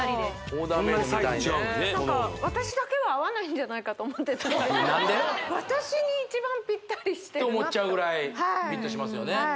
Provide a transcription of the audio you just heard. おのおの何か私だけは合わないんじゃないかと思ってたんですけど何で？って思っちゃうぐらいフィットしますよね